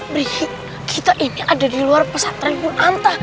bri kita ini ada di luar pesantren ku nantai